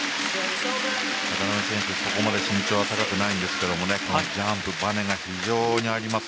渡辺選手はそこまで身長は高くないんですがジャンプ、ばねが非常にあります。